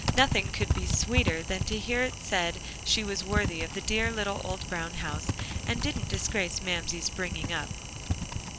Nothing could be sweeter than to hear it said she was worthy of the dear little old brown house, and didn't disgrace Mamsie's bringing up.